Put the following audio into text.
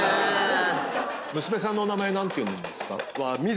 娘さんのお名前何ていうんですか？